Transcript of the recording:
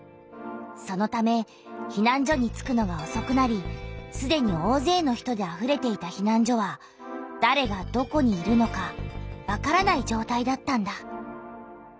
そのためひなん所に着くのがおそくなりすでにおおぜいの人であふれていたひなん所はだれがどこにいるのかわからないじょうたいだったんだ。